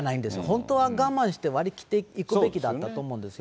本当は我慢して、割り切って行くべきだったと思うんですよ。